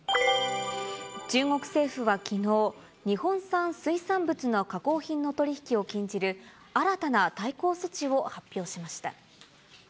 中国政府はきのう、日本産水産物の加工品の取り引きを禁じる、新たな対抗措置を発表しました。